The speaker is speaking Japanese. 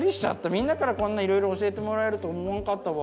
みんなからこんないろいろ教えてもらえると思わんかったわ。